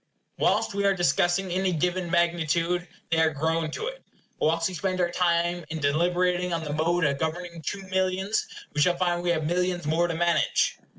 Whilst we are discussing any given magnitude, they are grown to it. Whilst we spend our time in deliberating on the mode of governing two millions, we shall find we have millions more to manage.